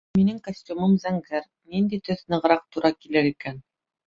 Минең костюмым зәңгәр. Ниндәй төҫ нығыраҡ тура килер икән?